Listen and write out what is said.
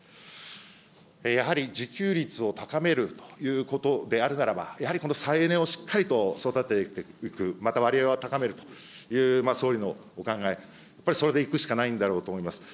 やはり自給率を高めるということであるならば、やはりこの再エネをしっかりと育てていく、また割合を高めるという総理のお考え、これ、それでいくしかないんだろうと思います。